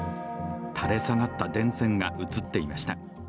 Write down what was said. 垂れ下がった電線が写っていました。